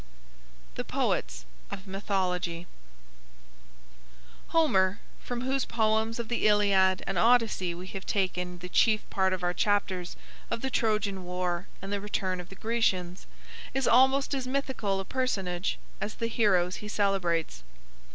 THE POETS OF MYTHOLOGY Homer, from whose poems of the "Iliad" and "Odyssey" we have taken the chief part of our chapters of the Trojan war and the return of the Grecians, is almost as mythical a personage as the heroes he celebrates.